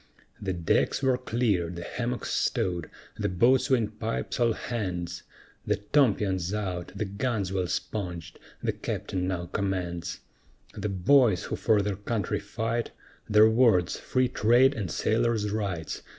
The decks were cleared, the hammocks stowed, the boatswain pipes all hands, The tompions out, the guns well sponged, the Captain now commands; The boys who for their country fight, Their words, "Free Trade and Sailor's Rights!"